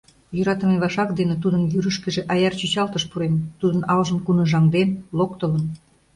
Йӧратыме вашак дене тудын вӱрышкыжӧ аяр чӱчалтыш пурен, тудын алжым куныжаҥден, локтылын.